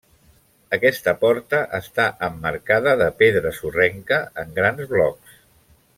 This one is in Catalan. Aquesta porta està emmarcada de pedra sorrenca en grans blocs.